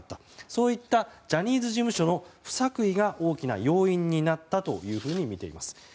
そういったジャニーズ事務所の不作為が大きな要因になったというふうにみています。